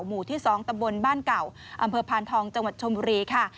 หมู่ที่๒ตำบลบ้านเก่าอำเภอพานทองจังหวัดชมบุรีค่ะ